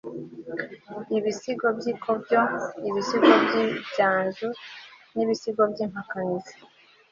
ibisigo by'ikobyo, ibisigo by'ibyanzu n'ibisigo by'impakanizi